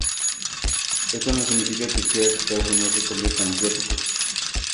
Esto no significa que quiera que Estados Unidos se convierta en asiático.